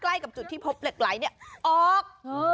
ใกล้กับจุดที่พบเล็กออก